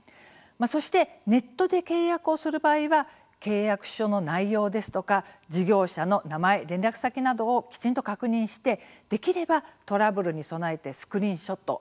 そしてネットで契約をする場合は契約書の内容ですとか事業者の名前、連絡先などをきちんと確認してできればトラブルに備えてスクリーンショット